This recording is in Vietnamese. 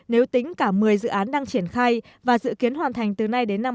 nếu tính cả một mươi dự án đang triển khai và dự kiến hoàn thành từ nay đến năm hai nghìn hai mươi